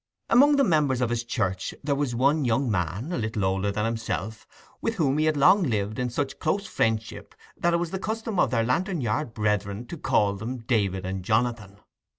Among the members of his church there was one young man, a little older than himself, with whom he had long lived in such close friendship that it was the custom of their Lantern Yard brethren to call them David and Jonathan.